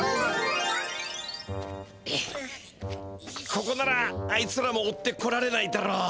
ここならあいつらも追ってこられないだろう。